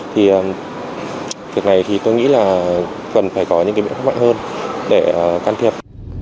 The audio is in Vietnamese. thì việc này thì tôi nghĩ là cần phải có những cái biện pháp mạnh hơn để can thiệp